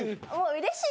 うれしい。